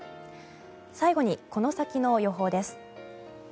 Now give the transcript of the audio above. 最後に、この先の予報です。